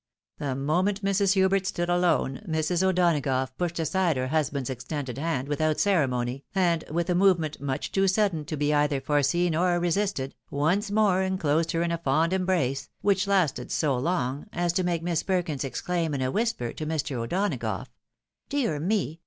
The moment Mrs. Hubert stood alone, Mrs. O'Donagough pushed aside her husband's extended hand without ceremony, and with a movement much too sudden to be either foreseen or resisted, once more inclosed her in a fond embrace, which lasted so long, as to make Miss Perkins exclaim in a whisper to Mr. O'Donagough, " Dear me